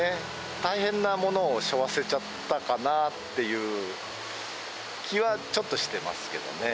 大変なものをしょわせちゃったかなという気はちょっとしていますけどね。